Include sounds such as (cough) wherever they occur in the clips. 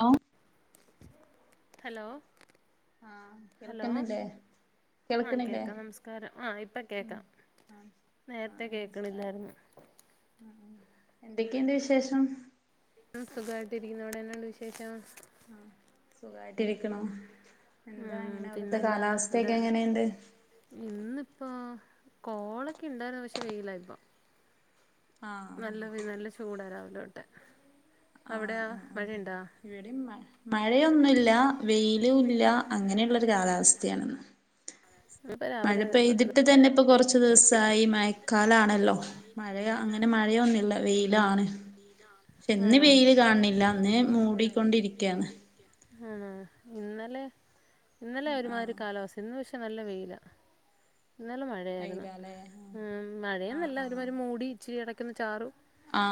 ആ ഹലോ ആഹ് ഹലോ കേൾക്കുന്നില്ലേ ആഹ് കേൾക്കണില്ലേ കേക്കാം നമസ്കാരം. ആ ഇപ്പൊ ഉം കേക്കാം. ആഹ് ആഹ് നേരത്തെ നമസ്കാരം കേക്കണില്ലായിരുന്നു ആഹ് ആഹ് എന്തൊക്കെയുണ്ട് വിശേഷം സുഖായിട്ടിരിക്കുന്നു. അവിടെ എന്നാ ഉണ്ട് വിശേഷം? ആ സുഖായിട്ടിരിക്കണു എന്താ ഉം എങ്ങനെ അവിടുത്തെ പിന്നെന്താ എന്താ? കാലാവസ്ഥയൊക്കെ എങ്ങനെയുണ്ട് ഇന്നിപ്പോ കോളൊക്കെ ഇണ്ടായിരുന്നു പക്ഷെ വെയിലാ ഇപ്പം ആഹ് നല്ല നല്ല ചൂടരാവ ലോട്ട് ആഹ് അവിടെ ആഹ് ആഹ് മഴയുണ്ടാ ഇവിടെയും മ മഴയൊന്നുല്ല വെയിലു ഇല്ല അങ്ങനെയുള്ള ഒരു കാലാവസ്ഥയാണ് ഇപ്പൊ മഴ രാവിലെ തൊട്ട് പെയ്തിട് തന്നെ ഇപ്പൊ കുറച്ച് കുറച്ചു ദിവസമായി മയക്കാലാണല്ലോ മഴ അങ്ങനെ മഴയൊന്നുമില്ല വെയിലാണ് പക്ഷെ ഇന്ന് ആണോ വെയില് കാണണില്ല അന്ന് മൂടിക്കൊണ്ടിരിക്കയാണ് ആണ ഇന്നലെ ഇന്നല്ലേ ആഹ് ഒരുമാതിരി കാലാവസ്ഥ ഇന്ന് നല്ല വെയില ഇന്നല്ല മഴയായിരുന്നു വെയിലാല്ലേ ഉ മഴയന്നല്ല ഒരുമാ മൂ ഇച്ചിരി അടക്കുന്ന ചാറ് ആ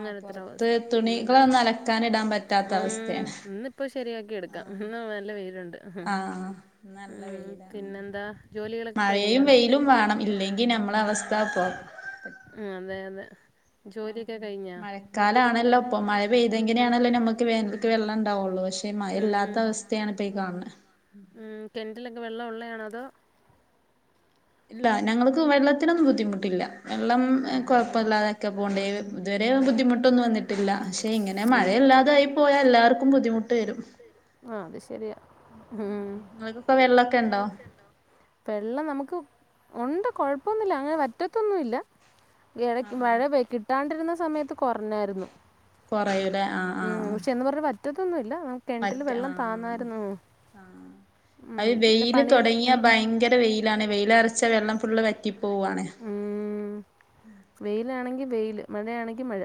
ആ പുറത്ത് ഉം തുണികളൊന്നും അലക്കാന ഇടാൻ പറ്റാത്ത ഉം അവസ്ഥയാണ് ഇന്നിപ്പോ ശരിയാക്കി എടുക്കാം എന്ന നല്ല വെയിലുണ്ട് ആ നല്ല ഉം വെയില പിന്നെന്താ ജോലികളൊക്കെ കഴിഞ്ഞാ മഴയും വെയിലും വേണം ഇല്ലെങ്കി നമ്മള അവസ്ഥ പോ ഉ അതെ അതെ ആ ജോലിയൊക്കെ കഴിഞ്ഞാ മഴക്കാലാണല്ലോ ഇപ്പൊ മഴ ഉം പെയ്തെങ്ങനെയാണല്ലോ നമ്മുക്ക് വേന വെള്ളം വുള്ളൂ പക്ഷെ ഉം എല്ലാത്ത ഉം അവസ്ഥയാണ് ഇപ്പ ഈ കാണുന്നത് ഉം കിണറ്റിലൊക്കെ വെള്ളം ഉള്ളയാണ അതോ ഇല്ല ഞങ്ങൾക്ക് വെള്ളത്തിനൊന്നും ബുദ്ധിമുട്ടില്ല വെള്ളം ആഹ് ആഹ് ആഹ് കുഴപ്പമില്ലാതൊക്കെ പോകണ്ടേ ഇതുവരെ ബുദ്ധിമുട്ടൊന്നും വന്നിട്ടില്ല പക്ഷെ ഇങ്ങനെ ഉം മഴയില്ലാതായി പോയാൽ എല്ലാവർക്കും ബുദ്ധിമുട്ട് വരും ശെരിയ നിങ്ങക്കൊക്കെ വെള്ളമൊക്കെ ഇണ്ടോ വെള്ളം നമുക്ക് ഉണ്ട് കൊഴപ്പൊന്നുമില്ല അങ്ങനെ വറ്റത്തൊന്നുമല്ല ആഹ് ഇട ആഹ് മഴ പ കിട്ടാണ്ടിരുന്ന സമയത്ത് കുറഞ്ഞായിരുന്നു കുറ ഉം പക്ഷെ എന്ന് പറഞ്ഞ പറ്റ ഇ മറ്റ ആ ആ ഉം, അത് പിന്നെ വെയില് പണികൾ തുടങ്ങിയ ഭയങ്കര വെയിലാണ് വെയിലരച്ചാ വെള്ളം ഫുള് വറ്റിപ്പോവാണ് ഉം. വെയിലാണെങ്കിൽ വെയിൽ മഴയാണെങ്കിൽ മഴ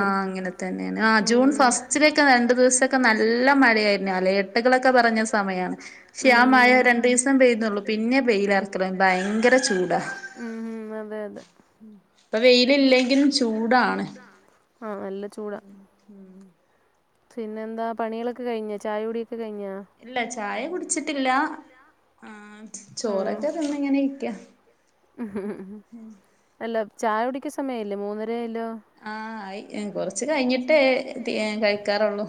ആ അങ്ങനെ തന്നെയാണ് ജൂൺ ഫസ്റ്റിലൊക്കെ രണ്ടു ദിവസമൊക്കെ നല്ല മഴയായിരുന്നു അല്ല എട്ടകളൊക്കെ പറഞ്ഞ സമയാണ് പക്ഷെ ആ മഴ ഉം, രണ്ടു ദിവസം പെയ്യുന്നുള്ളു പിന്നെ പെയ്യിലർക്കലോ ഭയങ്കര ചൂടാ ഉം ഉം അതെ അതെ ല്ലെങ്കിലും ചൂടാണ് ആഹ് നല്ല ചൂടാ പിന്നെ എന്താ പണിയെളൊക്കെ കയ്ഞ്ഞ ചായ കുടി ഇല്ല ചായ കുടിച്ചിട്ടില്ല ആ ചോറൊക്കെ തിന്ന് ഇങ്ങനെ ഇരിക്ക ഇഹ് ഹ് അല്ല ചായുടി ക്ക്സമയായില്ലേ മൂന്നര് ആ ഇ കൊറച്ച് കഴിഞ്ഞിട്ടേ ത് ഏ കഴിക്കാറുള്ളൂ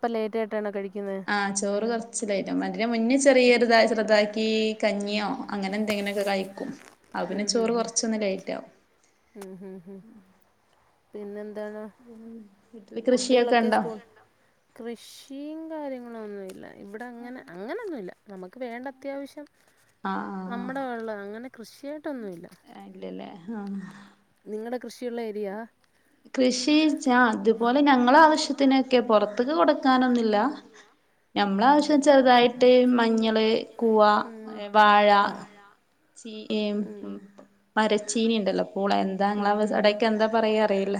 അപ്പ ലേറ്റായിട്ടാണോ കഴി ആഹ് ചോറ് കൊറച്ച്ലേറ്റാവും മത് മുന്നേ ചെറിയ ഒരുത ചറുതാക്കി കഞ്ഞിയോ അങ്ങനെ എന്തെങ്ങിനൊക്കെ കഴിക്കു അഹ് ആ ഇങ്ങനെ പിന്നെ ഉം ചോറ് ഉം കൊറച്ചൊന്ന് ഉം ലേറ്റാവും പിന്നെന് ന്താ വീട്ടില് കൃഷിയൊക്കെ കുട്ടികളൊക്കെ ഉണ്ടോ സ്കൂൾ കൃഷിയും കാര്യങ്ങൾ അങ്ങനൊന്നുല്ല ഇവിടെ അങ്ങനെ അങ്ങനൊന്നുല്ല നമുക്ക് വേണ്ട അത്യാവശ്യം ആഹ് നമ്മടെ വെള്ള അങ്ങനെ കൃഷിയായിട്ടൊന്നുല്ല ആ നിങ്ങടെ കൃഷിയുള്ള ഏരിയ കൃഷിച്ചാ അതുപോലെ ഞങ്ങളെ ആവശ്യത്തിനൊക്കെ പുറത്ത്ക്ക് കൊടുക്കാനൊന്നുല്ല ഞമ്മള ആവശ്യം ചെറുതായിട്ട് മഞ്ഞള് കുവാ ഉം വാഴ ചീഏമ് ഉം മരച്ചീനി ഇണ്ടല്ലോ പൂള എന്താ ഉം ഉം ഉം പ്ലാവ് ഇങ്ങള്ടെസൊടെക്കെ എന്താ പറയാ അറിയില്ല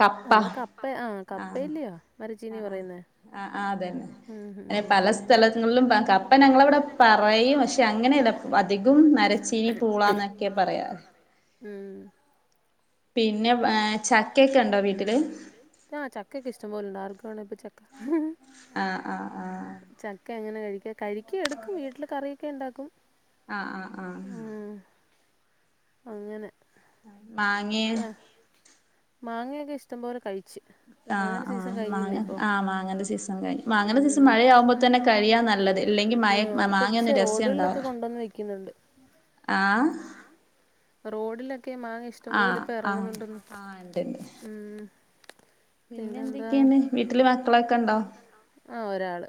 കപ്പ നമ്മടെ കപ്പ ആ ആഹ് കപ്പയില്ലയോ മരച്ചീനി പറയുന്നേ അ അതെ ഉം ഉം അ ഉം പല സ്ഥലങ്ങൾലും പ കപ്പ ഞങ്ങളവിടെ പറയും പക്ഷെ അങ്ങനെല്ല അധികം മരച്ചീനി പൂളന്നൊക്കെ പറയാ ഉം പിന്നെ ചക്കയൊക്കെ ഉണ്ടോ വീട്ടില് ആ ചക്കൊക്കെ ഇഷ്ടം പോലിണ്ട് ആർക്ക് വേണം ഇപ്പ ചക് ആ ആ ആ എങ്ങനെ കഴിക്ക കഴിക്കാ എടുക്കും വീട്ടില് കറിയൊക്കെ ഇണ്ടാക്കും ആഹ് ആഹ് ആഹ് അങ്ങനെ ആഹ് മാങ്ങയോ മാങ്ങയൊക്കെ ഇഷ്ടം പോലെ കഴി ആ ആ മാങ്ങ ആ മാങ്ങേന്റെ സീസൺ കഴിഞ്ഞു ഉം മാങ്ങേന്റെ സീസൺ ഉം മഴയാവുമ്പോ തന്നെ കഴിയാ നല്ലത് ഇല്ലെങ്കി മഴ ഉം ഇപ്പൊ പക്ഷെ മാങ്ങയൊന്നും രസെണ്ടാവില്ല റോഡുകളിലൊക്കെ കൊണ്ടുവന്ന് വെക്കുന്നുണ്ട് ആ ക്കെ മാങ്ങ് ആ ആ ആ ഇണ്ടിണ്ട് ഉം. പിന്നെ പിന്നെന്താ എന്തൊക്കെയാണ് വീട്ടില് മക്കളൊക്കെ ഉണ്ടോ ആ ഒരാൾ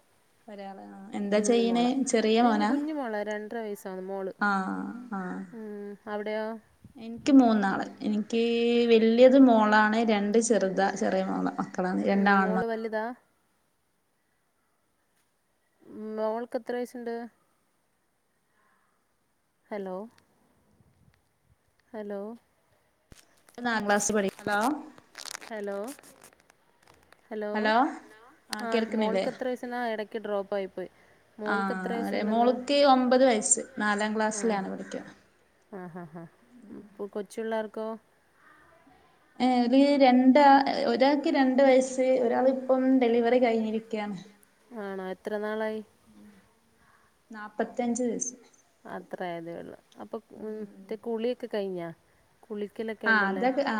ഒരാൾ കുഞ്ഞുമോള ഇല്ല കുഞ്ഞു മോളാ രണ്ടര വയസാണ് മോള് ആഹ് ആഹ് ഉം അവിടെയോ എനിക്ക് മൂന്നാള് എനിക്ക് വെല്ല്യത് മോളാണ് രണ്ട് ചെ ചെറുതാ ചെറിയ മോള മക്കളാണ് ഉം, രണ്ടാൺ മോള് മക്ക് വലുതാ മോൾക്ക് എത്ര വയസ്സുണ്ട് ഹലോ ഹലോ ഇപ്പോ നാലാ ക്ലാസ്സി പഠി ഹലോ ഹലോ ഹലോ ആ മോൾക്ക് എത്ര വയസ്സള്ള എടക്ക് ടക്ക് ഡ്രോപ്പായി പോയി ആ അറിയാ മോള്ക്ക് ഒമ്പത് വയസ്സ് നാലാം ക്ലാസ്സിലാണ് പഠിക്കാ ഉം ക്കോ ഏ ര് രണ്ടാ ഒരാൾക്ക് രണ്ട് വയസ്സ് ഒരാളിപ്പം ഡെലിവറി കഴിഞ്ഞിരിക്കയാണ് ആണോ എത്ര നാളായി നാപ്പത്തഞ്ച് ദിവസം അത്രേ ആയതേയുള്ളൂ അപ്പൊ മ് മറ്റേ കുളിയൊക്കെ കഴിഞ്ഞോ ആ അതൊക്കെ ആ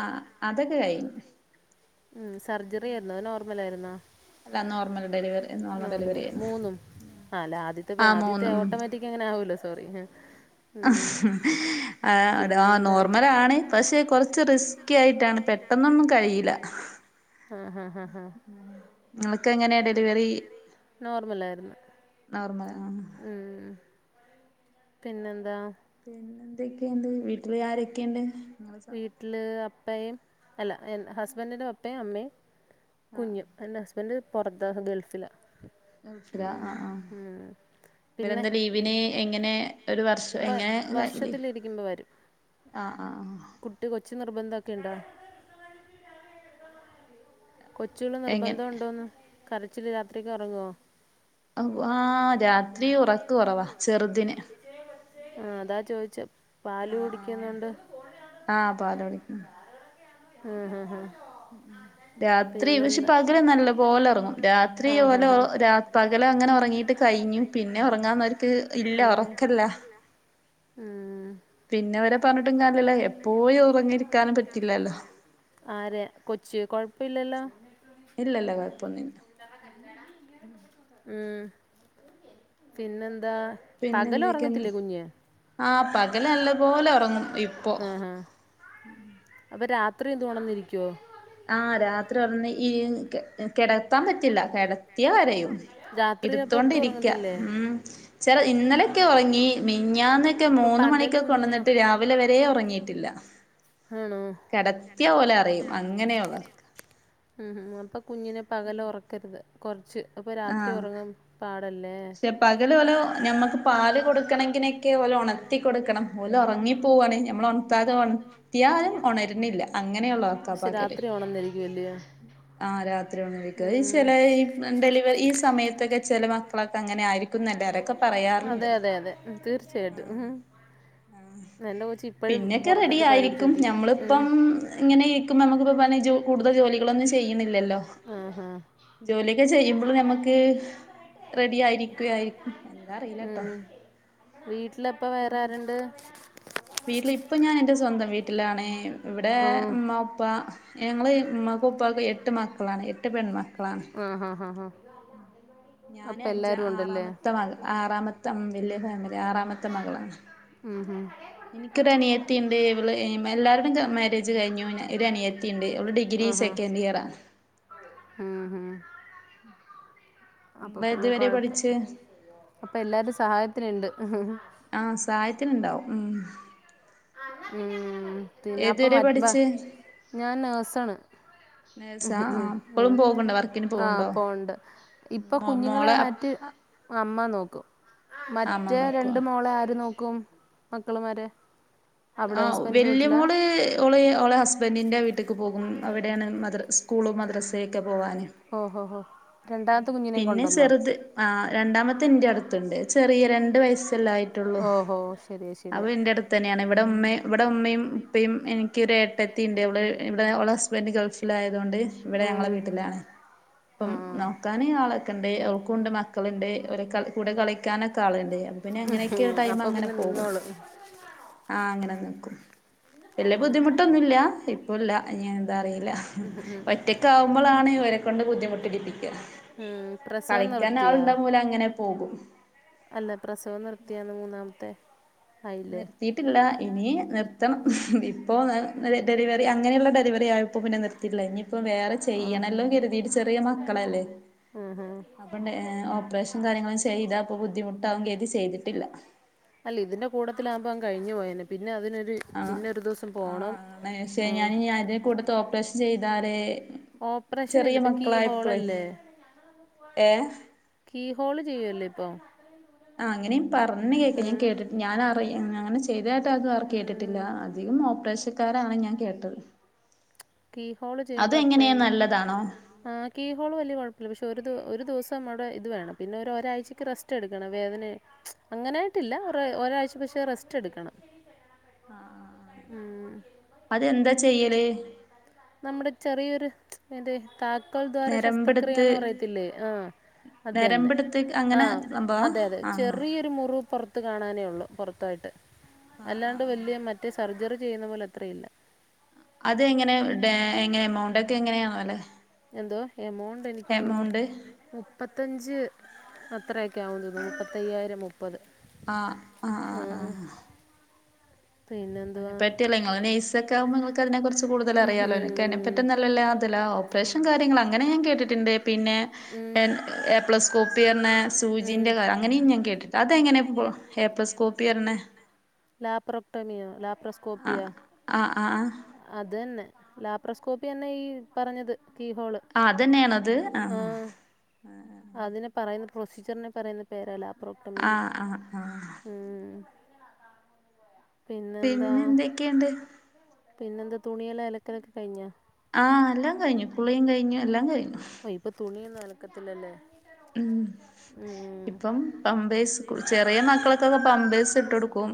അതൊക്കെ കഴിഞ്ഞ് മ് സർജറി ആരുന്നോ നോർ ർമലാരുന്നോ അല്ല നോർമൽ ഡെലിവറി ഡെലിവറി നോർമൽ ആയിരുന്നു മൂന്നും അല്ല ആദ്യത്തെ പിൻ ആ ആദ്യത്തെ മൂന്നും ഓട്ടോമാറ്റിക് അങ്ങനെ ആവൂലോ സ് സോറി ഉം ആ അതാ പിന്നെന്താ കുറച്ച് നോർമലാണ് പക്ഷെ കൊറച്ച് റിസ്കി ആയിട്ടാണ് പെട്ടെന്നൊന്നും കഴിയില്ല ആഹ് ആഹ് ആഹ് ആഹ് ക്കെങ്ങനെയ ഡെലിവറി നോർമലായിരുന്നു നോർമൽ ആ ഉം പിന്നെന്താ പിന്നെ എന്തൊക്കെയുണ്ട് വീട്ടില് ആരൊക്കെയുണ്ട് നിങ്ങള് സ വീട്ടില് അപ്പയും അല്ല ഹസ്ബെൻന്റിന്റെ അപ്പയും അമ്മയും കുഞ്ഞും, എന്റെ ഹസ്ബൻഡ് പുറത്ത് ഗൾഫിലാ ആ, ഉം ഉം പിന്നെ ആ ഈ ലീവിന് എങ്ങനെ ഒരു വർഷം വ എങ്ങനെ വർഷത്തിലിരിക്കുമ്പോൾ വരും ആ, ആ കുട്ടി കൊച്ച് നിർബന്ധൊക്കെ ഉണ്ടോ കൊച്ചുള് എങ്ങനെ നിർബന്ധം ഉണ്ടോന്ന് കരച്ചില്, രാത്രിക്ക് ഉറങ്ങുവോ ഓ, ആ അ രാത്രി ഉറക്ക് കുറവാ ചെറുതിന് ആ, അതാ ചോദിച്ചെ ആ, പാല് ആ, കുടിക്കുന്നുണ്ട് ആ പാലോടി ഉം, ഉം, ഉം ഉം ഉം രാത്രി പക്ഷെ പിന്നെന്താ പകല് നല്ല പോലെ ഉറങ്ങും, രാത്രി ഓലെ രാ പകല അങ്ങനെ ഉറങ്ങീട്ട് കഴിഞ്ഞും പിന്നെ ഉറങ്ങാൻ നേരത്ത് ഇല്ല ഉറക്കല്ല ഉം പിന്നെ അവരെ പറഞ്ഞിട്ടും പറഞ്ഞിട്ട് കാര്യല്ല കാര്യമില്ല, എപ്പോഴും ഉറങ്ങിയിരിക്കാനും ഉറങ്ങിയിരിക്കാൻ പറഞ്ഞിട്ട് പറ്റില്ലല്ലോ കാര്യമില്ലല്ലോ, ആരെ കൊച്ച് ഇല്ല ഇല്ല കുഴപ്പൊന്നും ഇല്ല. ഉം പിന്നെന്താ അതാ പിന്നെ പകല് എന്തൊക്കെയന്ന് ഉറങ്ങത്തില്ലേ കുഞ്ഞ് ആ പകല് നല്ല പോോലെ ഉറങ്ങും ഇപ്പൊ ആ, ആ അപ്പൊ രാ ഇത്രയും തുണന്നിരിക്കുവോ ആ, രാത്രി ഉണർന്ന് ഈ കിടത്താൻ പറ്റില്ല കെട കെടത്തിയ കരയും, രാത്രി അപ്പൊ ഒട്ടും എടുത്തോണ്ടിരിക്ക ഉറങ്ങത്തില്ലേ ഉം, ചെറ് ഇന്നലെയൊക്കെ ഉറങ്ങി, മിനിങ്ങാന്നൊക്കെ ഇപ്പൊ മൂന്ന് പകല് മണിക്കൊക്കെ കുഞ്ഞിനോ ഉണർന്നിട്ട് രാവിലെ വരെ ഉറങ്ങിട്ടില്ല. ആ ആണോ കെടത്തിയ ഓലെ അറിയും അങ്ങനെയൊള്ള ഒറക്കാ ഉം ഉ അപ്പൊ കുഞ്ഞിനെ പകല് ഉറക്കരുത് കൊറ ച് അപ്പൊ രാത്രി ആഹ് ഉറങ്ങാം പാ ടല്ലേ പക്ഷെ ഓലെ പകല് ഓന് ഞമ്മക്ക് നമ്മക് പാല് കൊടുക്കണെങ്കിനൊക്കെ ഓലെ കൊടുക്കണങ്കിലൊക്കെ ഉണർത്തി കൊടുക്കണം, ഓല് ഉറങ്ങി പോവാണ് ഞമ്മൾ പോകാണ് ഉണർത്താതെ ഉണർത്തിയാലും ഉണരുന്നില്ല ഉണരിന്നില്ല, അങ്ങനെയുള്ള പക്ഷേ രാത്രി ഉണർന്നിരിക്കും അല്ലിയോ. ആഹ രാത്രി ഒനന്നിരുക്ക ഈ ചില ഡെലിവറി ഈ സമയത്തൊക്കെ ച ളൊക്കെ അങ്ങന ആരിക്കും അതെ അതെ അതെ തീർച്ചയായിട്ടും ഉ ആ പിന്നൊക്കെ റെഡി പാല് ആയിരിക്കും ഞമ്മളിപ്പം പിടിച്ചോണ്ടിരിക്കും ഇങ്ങനെ ഇരിക്കും നമ്മുക്കിപ്പ പറ കൂടുതൽ ജോലികളൊന്നും ചെയ്യ ല്ലോ ആഹാ ജോലിയൊക്കെ ചെയ്യുമ്പോൾ നമ്മക്ക് റെഡി ആയിരിക്കായിരിക്കും എന്താ അറിയിലട്ടോ വീട് വട്ടില ഇപ്പ വേറെ ആരുണ്ട് വീട്ടില് ഇപ്പൊ ഞാൻ എ്ന്റെ സ്വന്തം വീട്ടിലാണെ ഇവിടെ ആ ഉ്മ്മ ഉപ്പ ഞങ്ങള് മകുപ്പ എട്ട് മക്കളാണ് എട്ട് പെൺമക്കൾ ആഹ ആഹ ആഹ് ആാ ഞാന് അഞ്ച ഉണ്ടല്ലേ ആറാമത്തെ ആറാമത്തെ വല്യേ ഫാമിലി ആറാമത്തെ മകളാണ് അനിയനുണ്ട് എനിക്കൊരു അനിയത്തി ഉണ്ട് ഇ എല്ലാവടും മാര്രേജ് കഴിഞ്ഞു ഒരനിയത്തി ണ്ട് ഇവിടെ ഡിഗ്രി അനിയത്തിണ്ട് ഓള് സെക്കൻഡ് ഇയർ ആണ് ഉം ഉം അപ്പൊ പിന്നെ ഏതുവരെ കൊഴപ്പം പഠിച്ച് അപ്പൊ എല്ലാരും സഹായത്തിനുണ്ട് ആഹ് സഹായത്തിനുണ്ടാവും ഉം ഉം പിന്നെ ഏതുവരെ അപ്പ പഠിച്ച് ഞാൻ നേഴ്സണ് നേഴ്സാ ആഹ് ഉം ഇപ്പളും പോക്ണ്ടോ വർക്കിന് പോക്ണ്ടോ ആപ്പണ്ട് ഇപ്പൊ മോ കുഞ്ഞുങ്ങളെ മോളെ മറ്റ അമ്മ നോക്കി എ (unintelligible) അമ്മ മറ്റേ നോക്കുവോ രണ്ട് മോളെ ആര് നോക്കി ക്കും മക്കളമാരെ ആ വല്യ മോള് ഓള് അവഓളെ ഹസ്ബൻഡിന്റെറെ വീട്ടിലക്ക് പോകും അവിടെയാണ് മദ സ്കൂള മദ്രസയൊക്കെ പോവാന് ഹോ ഹോ ഹോ രണ്ടാമത്തെ കുഞ്ഞിനേം പിന്നെ കൊണ്ടോന്നോ ആഹ് ചെറുത് ആ രണ്ടാമത്തെ എന്റെ അടുത്തുണ്ട് ചെറിയ രണ്ട് വയസ്സ് ല്ലേയിട്ടുള്ളൂ ഓഹോ ശരിയാ അ ശരിയാ എന്റെ അടുത്ത് തന്നെയാണ് ഇവിടെ ഉമ്മെ ഇവിടെ ഉമ്മയും ഉപ്പയും എനിക്കൊരേ ട്ടെത്തീണ്ട് ഇവിടെ ഇവിടെ ഓളസ് സ്ബൻഡ് ഗൾഫിലായിരുന്നു അവള് അതുകൊണ്ട് ഇവിടെ ഞങ്ങളെ വീട്ടിലാണ് ഇപ്പം ആഹ് നോ ആളൊക്കെണ്ട് അവർക്കൊണ്ട് മക്കളിണ്ട് ഓരെ കൂടെ കളിക്കാനൊക്കെ ആളിണ്ട് അത് പിന്നെ എങ്ങനെയൊക്കെ ഒരു ടൈം അപ്പൊ അങ്ങനെ പിന്നെ പോകും നിന്നോളും ആ അങ്ങനെ നക്ക വല്യ ബുദ്ധിമുട്ടൊന്നും ഇല്ല ഇപ്പൊല്ല ഞാ എന്താറയാ ല്ല ഉം ഉം ഒറ്റക്കായിട്ടാണ് ഒറ്റക്കാവുമ്പോളാണെ ഇവരെക്കൊണ്ട് ബുദ്ധിമുട്ട് ഇടിപ്പിക്ക്യ ഉം പ്രസവം നിർത്തിയ അങ്ങനെ പോകും അല്ല പ്രസവം നിർത്തിയാന്ന് മൂന്നാമത്തെ ആയില്ലേ നിർത്തിയിട്ടില്ല ഇനി നിർ ത്തം ഇപ്പോ (unintelligible) അത് ഡെലിവറി അങ്ങനെയുള്ള ഡെലിവറി ആയപ്പോൾ പിന്നെ നിർത്തിയില്ല ഇനി ഇപ്പ വേറെ ആഹ് ചെയ്യണല്ലോ കരുതിയി ചെറിയ മക്കളല്ലേ ഉം ഉം അപ്പണ്ടെ ഓപ്പറേഷനും കാര്യങ്ങളും ചെയ്താ അപ്പൊ ബുദ്ധിമുട്ടാവുങ്കി അത് ചെയ്തിട്ടില്ല അല്ല ഇതിന്റെ കൂട്ടത്തിലാകുമ്പോ അങ്ങ് കഴിഞ്ഞു പോയേനെ പി ന്നെ അതിനൊരു ആ പിന്നൊരു ദിവസം ആ പോണം ആണ് ആ താരെ ചെറിയ കീ മക്കളായപ്പോളേ ഹോളല്ലേ ഏ കീ ഹോള് ചെയ്യുവല്ലേ ഇപ്പൊ ആ അങ്ങനെയും പറഞ്ഞു കേക്ക് ഞാൻ ഉം കേട്ട് ഞാനറിയ ഞങ്ങനെ ചെയ്ത് ട്ടതും ആർ കേട്ടിട്ടില്ല ഉം അധികം ഓപ്പറേഷക്കാരാണ് ഞാൻ കേട്ടത് കീ ഹോള് ചെയ്യുമ്പോ അത് എങ്ങനെയാ അത്രയും നല്ലതാണോ ആ കീ ഹോള് വലിയ കുഴപ്പില്ല പക്ഷെ ഒരു ഒരു ദിവസം അവിടെ ഇത് വേണം പിന്നെ ഒ ഒരാഴ്ചക്ക് റെസ്റ്റ് എടുക്കണം വേദന അങ്ങനായിട്ടില്ല ഒ ഒരാഴ്ച പക്ഷേ റെസ്റ്റ് എടുക്കണം ആ അ ആ അതെന്താ ചെയ്യല് നമ്മുടെ ചെറിയൊര് ഏത് കാ തക്കോൾ ദ്വാര നെരമ്പെടുത്ത് ശസ്ത്രക്രിയന്ന് പറയത്തില്ലേ ആ അത് തന്നെ നെരമ്പെടുത്ത് ആ അങ്ങനെ സംഭവാ അതെ അതെ ആഹ് ചെറിയൊരു മുറിവ് പുറത്ത് കാണാനേ ഉള്ളു പുറത്തായിട്ട് ആഹ് ആഹ് അല്ലാണ്ട് ആഹ് വലിയ മറ്റ സർജറി ചെയ്യുന്ന പോലെ അത്രയില്ല അത് എങ്ങനെ ടെ എങ്ങനെ എമൗണ്ട് ക്കെ എങ്ങനെയണോ അല്ലെ എന്തോ എമൗണ്ട് എനിക്ക് തോന്നുന്നു മുപ്പത്തി ത്തഞ്ച് അത്രയൊക്കെ ആകുള്ളൂ തോന്നുന്നു മുപ്പത്തയ്യായിരം മുപ്പത് ആഹ് ആഹ് ആഹ് ഉം ആഹ് അതിനെ പറ്റിയല്ല നിങ്ങ നെയ്സ ഒക്കെ ആവുമ്പോ നിങ്ങൾക്ക് അതിനെ കുറിച്ച് കൂടുതൽ ഉം. അറിയാലോ എനക്ക് അതിനെപ്പറ്റ നല്ലല്ല അതല്ല ഓപ്പറേഷൻ കാര്യങ്ങൾ അങ്ങനെ ഞാൻ കേട്ടിട്ടുണ്ട് പിന്നെ ഉം. ഏപ്ലസ്കോപ്പി പറണ സൂചിന്റെ ക അങ്ങനെയും ഉം. ഞാൻ കേട്ടിട്ട് അതെങ്ങനെ ഇ ഏപ്ലസ്കോപ്പി അറിണ ട്ടാ നി യ സ്കോപ്പിയ ആഹ് അത്‌ന്നെ ലാപ്രോസ്കോപ്പി ന്നെ ഈ പറഞ്ഞത് കീ ഹോള് ആ അതന്നെയാണത് ആ ആഹ് അതിനെ പറയുന്ന പ്രൊസീജറിനെ പറയുന്ന പേര് ല പ്രോട്ടമീ ആഹ് ആഹ് ആഹ് ആ പിന്നെ എന്തൊക്കെയുണ്ട് പിന്നെ എന്താ തുണിയെല്ലാം അ ലക്കലൊക്കെ കഴിഞ്ഞോ ആ എല്ലാം കഴിഞ്ഞു കുളീം കഴിഞ്ഞു എല്ലാം കഴിഞ്ഞു അലക്കത്തിലല്ലേ ഉം ഇപ്പം പമ്പഴ്സ് ചെറിയ മക്കളൊക്കെക്കെ പമ്പേഴ്സ് ഇട്ട് കൊടുക്കും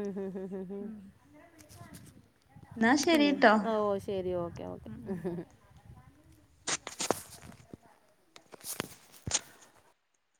ഉ ഹ ഹ ഹ് ഹ എന്നാ ശരിട്ടോ ഓ ശെരി ഓക്കെ ഓക്കെ ഹ ഹു